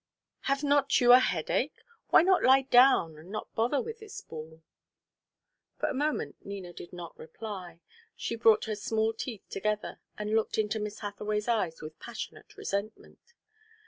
"Have not you a headache? Why not lie down and not bother with this ball?" For a moment Nina did not reply. She brought her small teeth together, and looked into Miss Hathaway's eyes with passionate resentment.